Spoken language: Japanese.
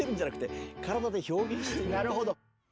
なるほど。